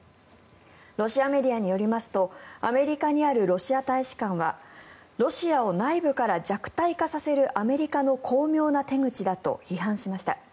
ロシアメディアによりますとアメリカにあるロシア大使館はロシアを内部から弱体化させるアメリカの巧妙な手口だと批判しました。